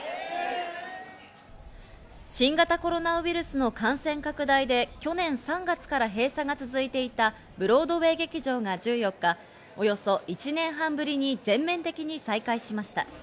新型コロナウイルスの感染拡大で去年３月から閉鎖が続いていたブロードウェー劇場が１４日、およそ１年半ぶりに全面的に再開しました。